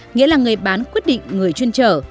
nghĩa là người bán quyết định người chuyên trở